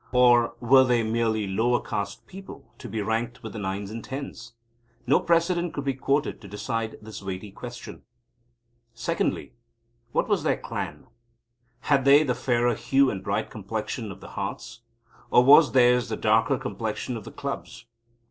Or were they merely lower caste people, to be ranked with the Nines and Tens? No precedent could be quoted to decide this weighty question. Secondly, what was their clan? Had they the fairer hue and bright complexion of the Hearts, or was theirs the darker complexion of the Clubs?